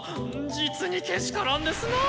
実にけしからんですなあ。